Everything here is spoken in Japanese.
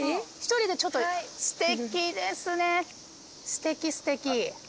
すてきすてき。